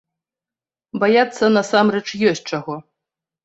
Баяцца, насамрэч, ёсць чаго.